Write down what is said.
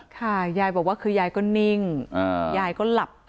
มันจะเอาเรียกให้มันก็ไม่ยอม